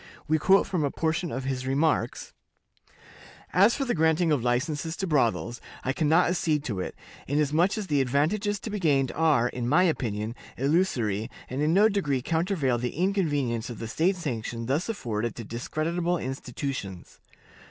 We quote a portion of his remarks: "As for the granting of licenses to brothels, I can not accede to it, inasmuch as the advantages to be gained are, in my opinion, illusory, and in no degree countervail the inconvenience of the state sanction thus afforded to discreditable institutions.